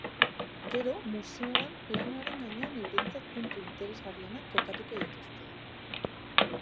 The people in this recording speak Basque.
Gero, museoan planoaren gainean eurentzat puntu interesgarrienak kokatuko dituzte.